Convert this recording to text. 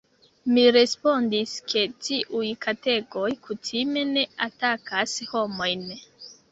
Mi respondis, ke tiuj kategoj kutime ne atakas homojn.